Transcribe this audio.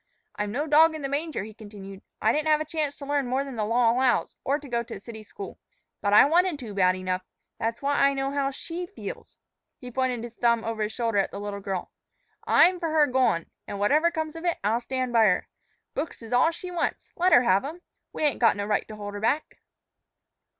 "I'm no dog in the manger," he continued; "I didn't have a chance to learn more than the law allows, or to go to a city school. But I wanted to, bad enough. That's why I know how she feels." He pointed his thumb over his shoulder at the little girl. "I'm for her goin'; an', whatever comes of it, I'll stand by her. Books is all she wants let her have 'em. We ain't got no right to hold her back."